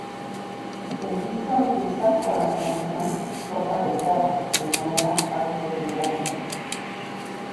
El disco empieza con la canción "Sopa de Perro" de manera autobiográfica.